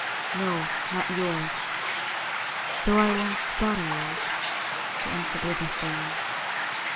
' No, not yours, though I once thought I was,' she answered with a sigh.